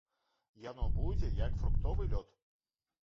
Яно будзе, як фруктовы лёд.